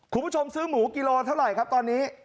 คุณผู้ชมซื้อหมูกิโลเท่าไหร่ครับตอนนี้